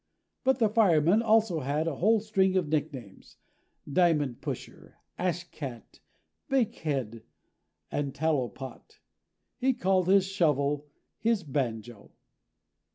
But the fireman also had a whole string of nicknames diamond pusher, ashcat, bakehead and tallow pot. He called his shovel his banjo.